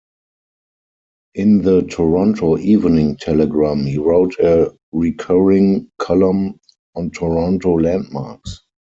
In the Toronto Evening Telegram he wrote a recurring column on Toronto landmarks.